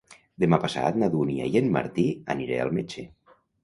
Demà passat na Dúnia i en Martí aniré al metge.